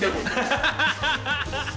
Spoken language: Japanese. ハハハハ！